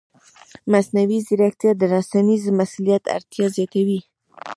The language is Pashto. مصنوعي ځیرکتیا د رسنیز مسؤلیت اړتیا زیاتوي.